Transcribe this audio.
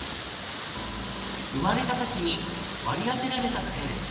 生まれた時に割り当てられた性。